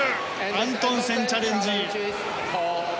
アントンセン、チャレンジ。